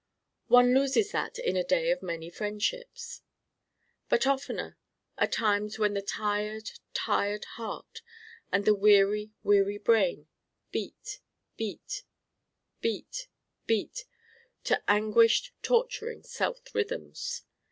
One loses that in a day of many friendships. But oftener are times when the tired, tired heart and the weary, weary brain beat beat, beat beat to anguished torturing self rhythms.